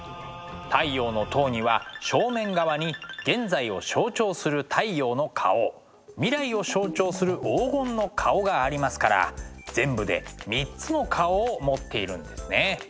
「太陽の塔」には正面側に現在を象徴する太陽の顔未来を象徴する黄金の顔がありますから全部で３つの顔を持っているんですね。